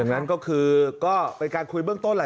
ดังนั้นก็คือก็เป็นการคุยเบื้องต้นแหละ